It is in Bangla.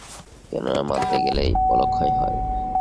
কেননা মানতে গেলেই বলক্ষয় হয়।